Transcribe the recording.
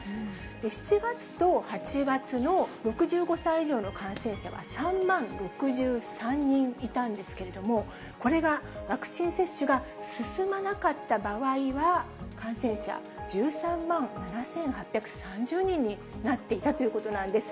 ７月と８月の６５歳以上の感染者は３万６３人いたんですけれども、これがワクチン接種が進まなかった場合は、感染者１３万７８３０人になっていたということなんです。